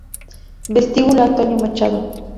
Vestíbulo Antonio Machado